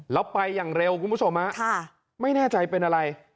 แล้วไปอย่างเร็วคุณผู้ชมฮะไม่แน่ใจเป็นอะไร